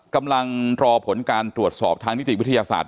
กำลังรอผลการตรวจสอบทางนิติวิทยาศาสตร์